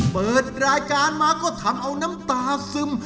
เปิดรายการมาก็ทำเอาน้ำตาซึม